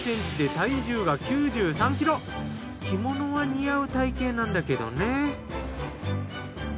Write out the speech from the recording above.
着物は似合う体形なんだけどね。